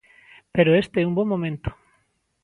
Pero este é un bo momento.